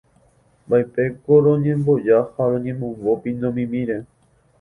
Vaípeko roñemboja ha roñemombo pindomimíre.